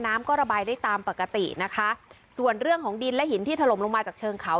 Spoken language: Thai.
น้ำก็ระบายได้ตามปกตินะคะส่วนเรื่องของดินและหินที่ถล่มลงมาจากเชิงเขา